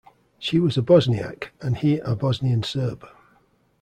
She was a Bosniak, and he a Bosnian Serb.